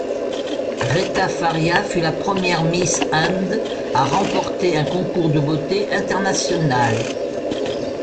Reita Faria fut la première Miss Inde à remporter un concours de beauté international.